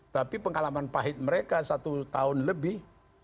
tapi pengalaman pahit mereka satu tahun lebih